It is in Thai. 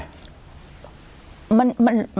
มันรับไปได้ว่าจริงเหรอ